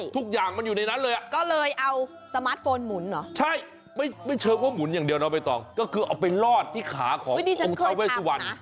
ทุกอย่างมันอยู่ในนั้นเลยอ่ะก็เลยเอาสมาร์ทโฟนหมุนเหรอใช่ไม่เชิงว่าหมุนอย่างเดียวเนาะไม่ต้องก็คือเอาไปลอดที่ขาขององค์ทาเวสวัน